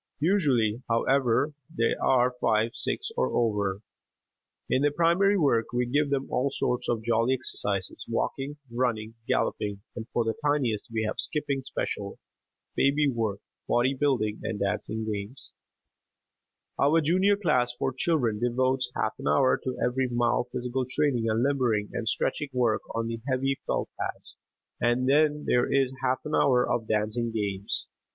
Usually, however, they are five, six, or over. In their primary work we give them all sorts of jolly exercises walking, running, galloping, and for the tiniest we have "skipping special," "baby work," body building and dancing games. Our Junior class for children (ages four, five, six and seven) devotes half an hour to very mild physical training and limbering and stretching work on the heavy felt pads, and then there is half an hour of dancing games.